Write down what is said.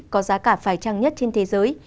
có giá cả phải trăng nhất trên thế giới